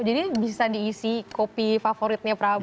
jadi bisa diisi kopi favoritnya prabu